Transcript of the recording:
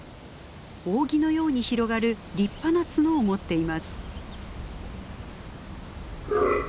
扇のように広がる立派な角を持っています。